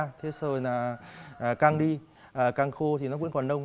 lúc các chú nột trâu ra thì càng đi càng khô thì nó vẫn còn nông